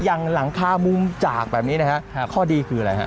อย่างหลังคามุมจากแบบนี้นะครับข้อดีคืออะไรครับ